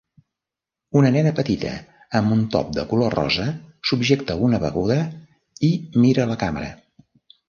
Una nena petita amb un top de color rosa subjecta una beguda i mira a la càmera.